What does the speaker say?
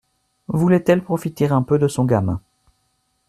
Voulait-elle profiter un peu de son gamin